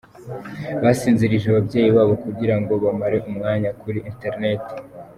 Basinzirije ababyeyi babo kugira ngo bamare umwanya kuri ‘interinete’